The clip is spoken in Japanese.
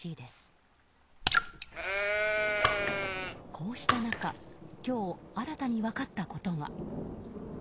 こうした中、今日新たに分かったことが。